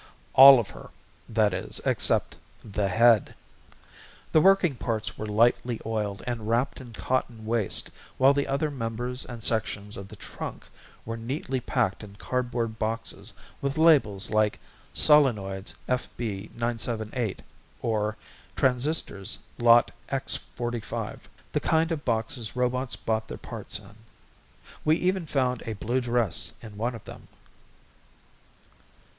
All of her, that is, except the head. The working parts were lightly oiled and wrapped in cotton waste while the other members and sections of the trunk were neatly packed in cardboard boxes with labels like Solenoids FB978 or Transistors Lot X45 the kind of boxes robots bought their parts in. We even found a blue dress in one of them.